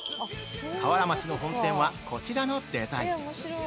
◆河原町の本店はこちらのデザイン。